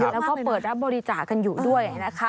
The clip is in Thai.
และก็เปิดรับบริจาคกันอยู่ด้วย